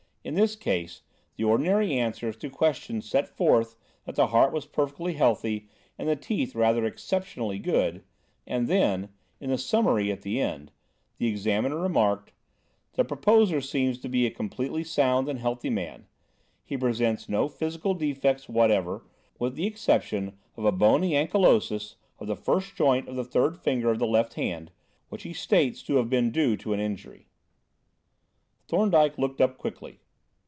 In this case, the ordinary answers to questions set forth that the heart was perfectly healthy and the teeth rather exceptionally good, and then, in the summary at the end, the examiner remarked: "the proposer seems to be a completely sound and healthy man; he presents no physical defects whatever, with the exception of a bony ankylosis of the first joint of the third finger of the left hand, which he states to have been due to an injury." Thorndyke looked up quickly.